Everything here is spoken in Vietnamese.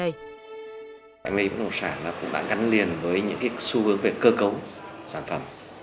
bất động sản cũng đã gắn liền với những xu hướng về cơ cấu sản phẩm